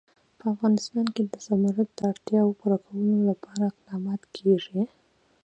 په افغانستان کې د زمرد د اړتیاوو پوره کولو لپاره اقدامات کېږي.